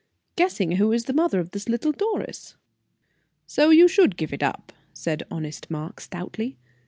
"Guessing who is the mother of this little Doris." "So you should give it up," said honest Mark, stoutly.